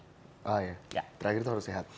oh iya terakhir itu harus sehat